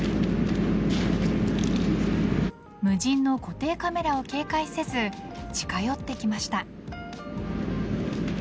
無人の固定カメラを警戒せず近寄ってきました。